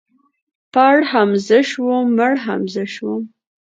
پړ هم زه شوم مړ هم زه شوم.